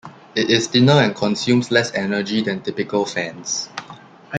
It is thinner and consumes less energy than typical fans.